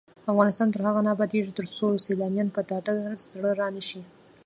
افغانستان تر هغو نه ابادیږي، ترڅو سیلانیان په ډاډه زړه را نشي.